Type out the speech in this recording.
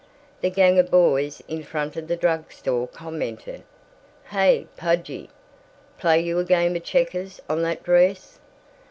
The gang of boys in front of the drug store commented, "Hey, Pudgie, play you a game of checkers on that dress."